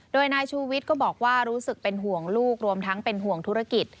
โดยนายชูวิทย์ก็บอกว่ารู้สึกเป็นห่วงลูกรวมทั้งเป็นห่วงธุรกิจ